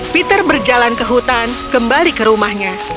peter berjalan ke hutan kembali ke rumahnya